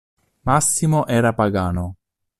Massimo era pagano.